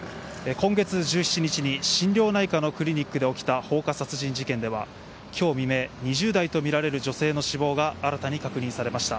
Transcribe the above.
今月１７日に、心療内科のクリニックで起きた放火殺人事件では、きょう未明、２０代と見られる女性の死亡が新たに確認されました。